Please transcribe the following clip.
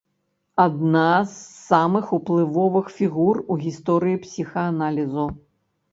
Адна з самых уплывовых фігур у гісторыі псіхааналізу.